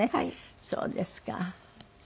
そうですか。